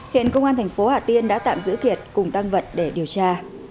hiện công an thành phố hà tiên đã tạm giữ kiệt cùng tăng vật để điều tra